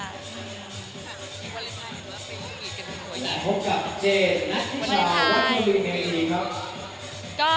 พบกับเจนนักผู้ชายว่าที่อยู่ในไหนดีครับ